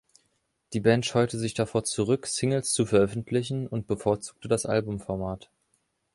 Die Band scheute sich davor zurück, Singles zu veröffentlichen, und bevorzugte das Albumformat.